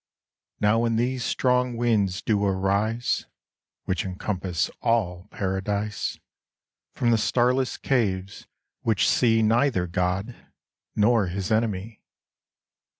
Now when these strong winds do arise Which encompass all paradise From the starless caves which see Neither God, nor his enemy.